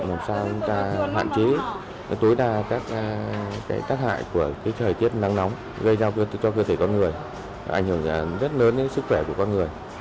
làm sao chúng ta hạn chế tối đa các tác hại của thời tiết nắng nóng gây ra cho cơ thể con người ảnh hưởng rất lớn đến sức khỏe của con người